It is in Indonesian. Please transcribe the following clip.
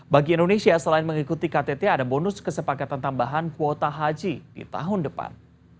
bagi indonesia selain mengikuti ktt ada bonus kesepakatan tambahan kuota haji di tahun depan